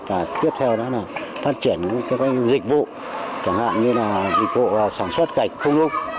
và tiếp theo đó là phát triển những cái dịch vụ chẳng hạn như là dịch vụ sản xuất gạch không lúc